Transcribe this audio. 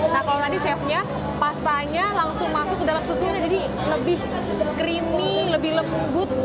nah kalau tadi chefnya pastanya langsung masuk ke dalam susunya jadi lebih creamy lebih lembut